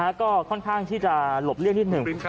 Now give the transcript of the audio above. และก็ค่อนข้างจะหลบเรียนที่สุดหนึ่ง